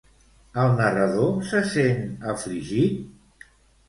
El narrador se sent afligit?